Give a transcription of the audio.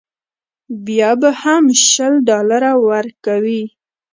بیا به هم شل ډالره ورکوې.